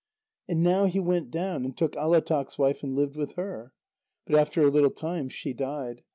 And now he went down and took Alátaq's wife and lived with her. But after a little time, she died.